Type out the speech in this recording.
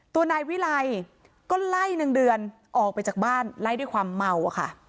ตัวนายวิไลก็ไล่นางเดือนออกไปจากบ้านไล่ด้วยความเมาอะค่ะ